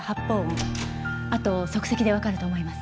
あと足跡でわかると思います。